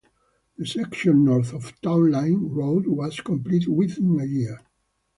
The section north of Townline Road was completed within a year.